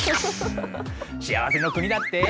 幸せの国だって？